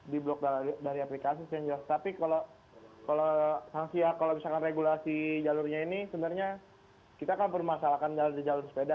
di blok dari aplikasi saya jelas tapi kalau sanksi ya kalau misalkan regulasi jalurnya ini sebenarnya kita kan permasalahkan jalur sepeda